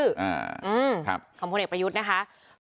อืมขอบคุณเอกประยุทธ์นะคะ